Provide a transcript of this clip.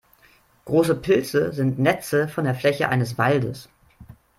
Große Pilze sind Netze von der Fläche eines Waldes.